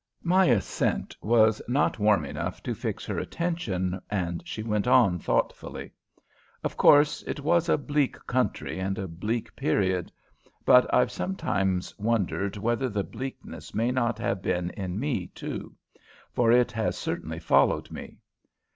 My assent was not warm enough to fix her attention, and she went on thoughtfully: "Of course, it was a bleak country and a bleak period. But I've sometimes wondered whether the bleakness may not have been in me, too; for it has certainly followed me.